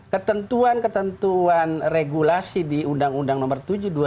ketentuan ketentuan regulasi di undang undang nomor tujuh dua ribu dua puluh